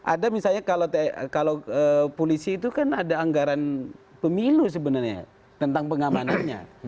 ada misalnya kalau polisi itu kan ada anggaran pemilu sebenarnya tentang pengamanannya